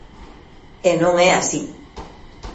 E non é así.